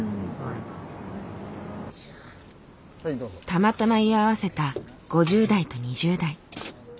たまたま居合わせた５０代と２０代。